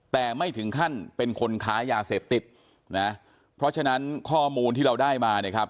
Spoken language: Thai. แต่ไม่ถึงขั้นเป็นคนค้ายาเสพติดนะเพราะฉะนั้นข้อมูลที่เราได้มาเนี่ยครับ